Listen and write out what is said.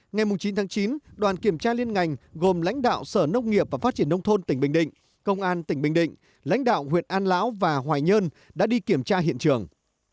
ngày chín tháng chín đoàn kiểm tra liên ngành gồm lãnh đạo sở nông nghiệp và phát triển nông thôn tỉnh bình định công an tỉnh bình định lãnh đạo huyện an lão và hoài nhơn đã đi kiểm tra hiện trường